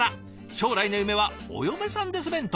「将来の夢はお嫁さんです弁当」？